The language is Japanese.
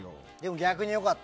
逆に良かった。